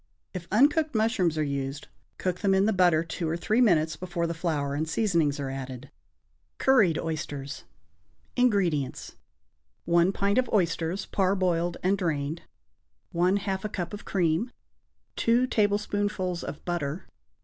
If uncooked mushrooms are used, cook them in the butter two or three minutes before the flour and seasonings are added. =Curried Oysters.= INGREDIENTS. 1 pint of oysters (parboiled and drained). 1/2 a cup of cream. 2 tablespoonfuls of butter.